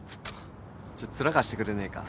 ちょっと面貸してくれねえか？